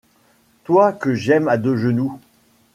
toi que j'aime à deux genoux